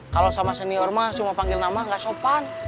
kalau sama senior mas cuma panggil nama gak sopan